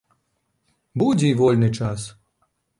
Будзе і вольны час.